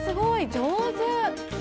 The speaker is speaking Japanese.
上手！